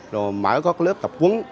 rồi mở các lớp tập quấn